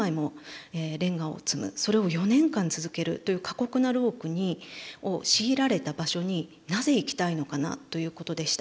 それを４年間続けるという過酷な労苦を強いられた場所になぜ行きたいのかなということでした。